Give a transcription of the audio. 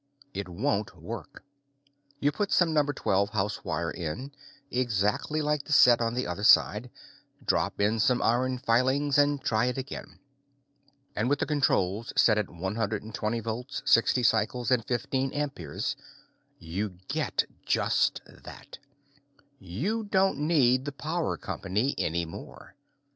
It won't work. You put some #12 house wire in, exactly like the set on the other side, drop in some iron filings, and try it again. And with the controls set at 120 volts, 60 cycles and 15 amperes, you get just that. You don't need the power company any more.